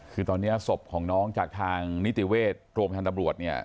คือตอนนี้ศพของน้องจากทางนิติเวชโรงพยาบาลตำรวจเนี่ย